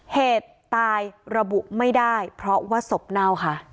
เหตุตายระบุไม่ได้เพราะว่าศพเน่าค่ะ